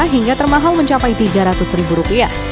hingga termahal mencapai rp tiga ratus